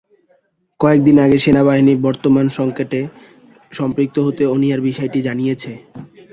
কয়েক দিন আগে সেনাবাহিনী বর্তমান সংকটে সম্পৃক্ত হতে অনীহার বিষয়টি জানিয়েছে।